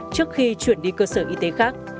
trước khi chuyển đi cơ sở y tế khác